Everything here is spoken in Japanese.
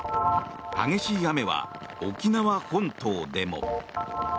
激しい雨は沖縄本島でも。